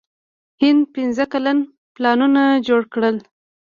هند پنځه کلن پلانونه جوړ کړل.